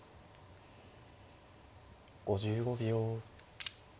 ５５秒。